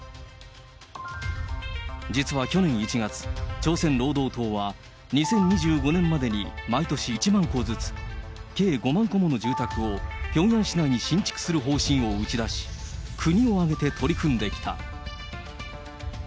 実は去年１月、朝鮮労働党は、２０２５年までに毎年１万戸ずつ、計５万戸もの住宅をピョンヤン市内に新築する方針を打ち出し、国を挙げて取り組んできた。